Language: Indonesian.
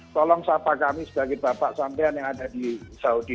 tolong sapa kami sebagai bapak sampean yang ada di saudi